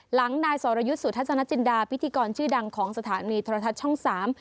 หลังนายสรยุทธจนจินดาพิธีกรชื่อดังของสถานบริษัทช่องสาม